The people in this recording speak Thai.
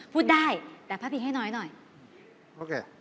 พูดได้แต่พาดพิงให้น้อยหน่อย